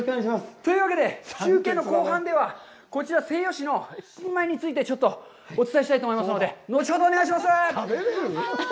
というわけで中継の後半では、こちら、西予市の新米についてちょっとお伝えしたいと思いますので、後ほどお願いします！